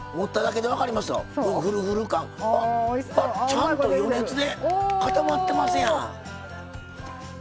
ちゃんと余熱で固まってますやん。